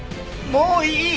もういい？